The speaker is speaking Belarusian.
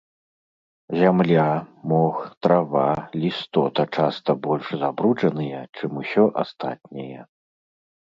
Зямля, мох, трава, лістота часта больш забруджаныя, чым усё астатняе.